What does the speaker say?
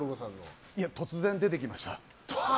いや突然出てきました。